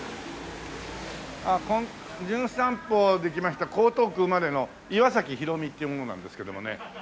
『じゅん散歩』で来ました江東区生まれの岩崎宏美っていう者なんですけどもね。